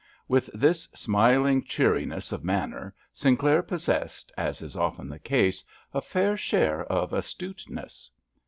With this smiling cheeriness of manner Sinclair possessed, as is often the case, a fair share of astuteness.